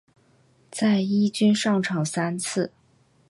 在一军上场三次。